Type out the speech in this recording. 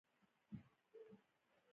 تر څو هغه دې عزت وکړي .